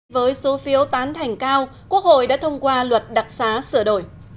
với số phiếu tán thành cao quốc hội đã thông qua luật đặc xá sửa đổi